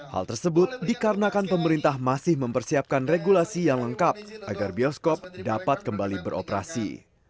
hal tersebut dikarenakan pemerintah masih mempersiapkan regulasi yang lengkap agar bioskop dapat kembali beroperasi